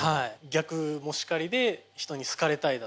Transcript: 逆もしかりで人に好かれたいだとか。